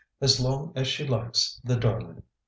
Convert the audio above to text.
"As long as she likes, the darling!"